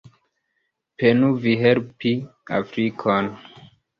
Penu vi helpi Afrikon.